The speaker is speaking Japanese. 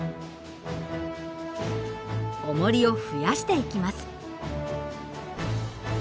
おもりを増やしていきます。